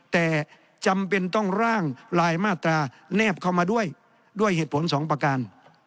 แต่จำเป็นต้องร่างลายมาตราแนบเข้ามาด้วยด้วยเหตุผลสองประการ